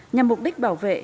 nhằm mục đích bảo vệ